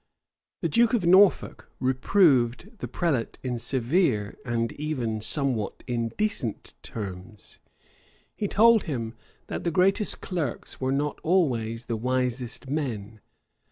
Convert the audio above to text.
The duke of Norfolk reproved the prelate in severe, and even somewhat indecent terms. He told him, that the greatest clerks were not always the wisest men.